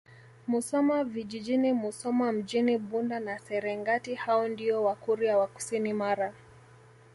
Musoma Vijjini Musoma Mjini Bunda na Serengati hao ndio Wakurya wa kusini Mara